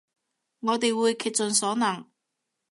我哋會竭盡所能